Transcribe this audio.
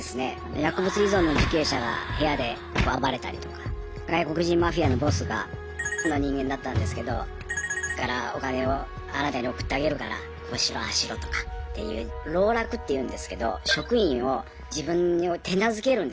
薬物依存の受刑者が部屋で暴れたりとか外国人マフィアのボスがの人間だったんですけどからお金をあなたに送ってあげるからこうしろああしろとかっていう籠絡っていうんですけど職員を自分に手なずけるんですねうまく。